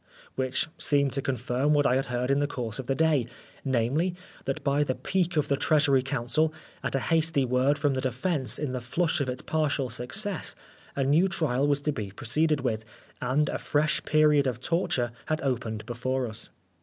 which seemed to confirm what I had heard in the course of the day, namely, that by the pique of the Treasury counsel, at a hasty word from the defence in the flush of its partial success, a new trial was to be pro ceeded with, and a fresh period of torture had opened before us.